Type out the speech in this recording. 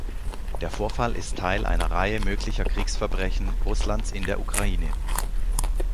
Der Vorfall ist Teil einer Reihe möglicher Kriegsverbrechen Russlands in der Ukraine.